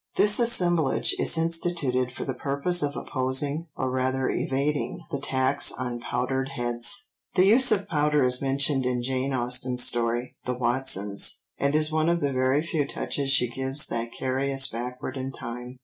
This assemblage is instituted for the purpose of opposing, or rather evading, the tax on powdered heads." The use of powder is mentioned in Jane Austen's story The Watsons, and is one of the very few touches she gives that carry us backward in time.